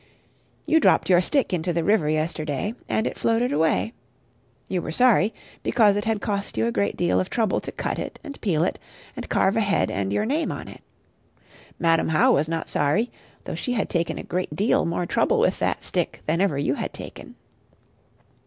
You dropped your stick into the river yesterday, and it floated away. You were sorry, because it had cost you a great deal of trouble to cut it, and peel it, and carve a head and your name on it. Madam How was not sorry, though she had taken a great deal more trouble with that stick than ever you had taken.